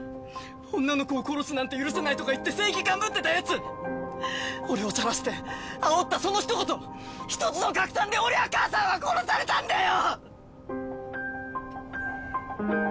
「女の子を殺すなんて許せない」とか言って正義感ぶってたやつ俺をさらしてあおったその一言一つの拡散で俺や母さんは殺されたんだよ！